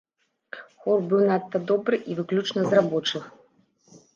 Хор быў надта добры, і выключна з рабочых.